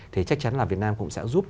thì chắc chắn là việt nam cũng sẽ giúp